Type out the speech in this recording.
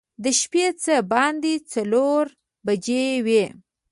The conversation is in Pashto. د شپې څه باندې څلور بجې وې.